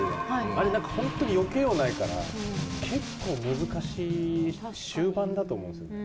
あれなんか本当によけようないから結構難しい終盤だと思うんですよね。